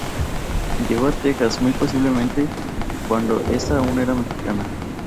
Llega a Texas muy posiblemente cuando esta aún era mexicana.